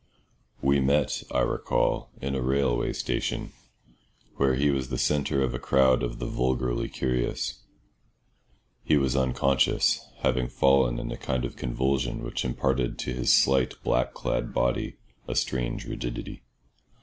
We met, I recall, in a railway station, where he was the centre of a crowd of the vulgarly curious. He was unconscious, having fallen in a kind of convulsion which imparted to his slight black clad body a strange rigidity.